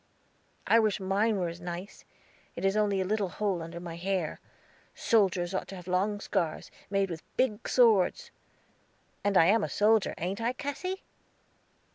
"I wish mine were as nice; it is only a little hole under my hair. Soldiers ought to have long scars, made with great big swords, and I am a soldier, ain't I, Cassy?"